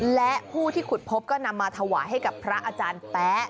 และผู้ที่ขุดพบก็นำมาถวายให้กับพระอาจารย์แป๊ะ